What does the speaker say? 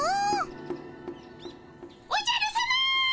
おじゃるさま！